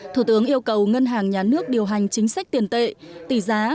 thủ tướng yêu cầu ngân hàng nhà nước điều hành chính sách tiền tệ tỷ giá